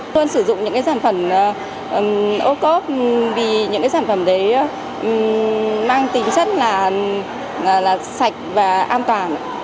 luôn sử dụng những cái sản phẩm ô cốp vì những cái sản phẩm đấy mang tính chất là sạch và an toàn